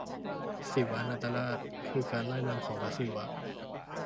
ศิวนาฎราช คือการร่ายรำของพระศิวะ